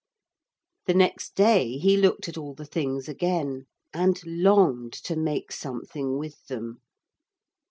The next day he looked at all the things again and longed to make something with them.